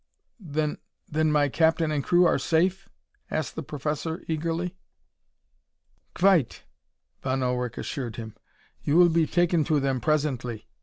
"Then then my captain and crew are safe?" asked the professor, eagerly. "Quite," Von Ullrich assured him. "You will be taken to them presently.